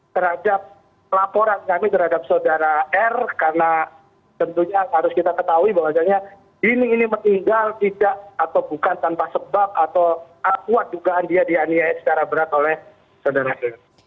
terhadap laporan kami terhadap saudara r karena tentunya harus kita ketahui bahwasannya dini ini meninggal tidak atau bukan tanpa sebab atau akuat dugaan dia dianiaya secara berat oleh saudara